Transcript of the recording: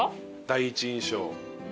第一印象。